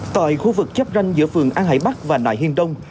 tại khu vực chấp ranh giữa phường an hải bắc và nại hiên đông